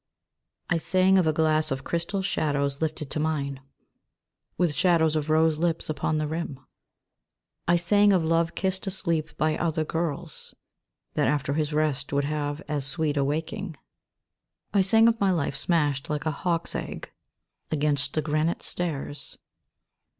I SANG of a glass of crystal shadows lifted to mine With shadows of rose lips upon the rim ; I sang of love kissed asleep by other girls That after his rest would have as sweet a waking j I sang of my life smashed like a hawk's egg Against the granite stairs.